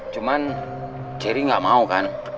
cuman cherry gak mau kan